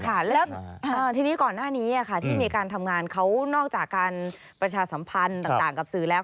ค่ะแล้วทีนี้ก่อนหน้านี้ที่มีการทำงานเขานอกจากการประชาสัมพันธ์ต่างกับสื่อแล้ว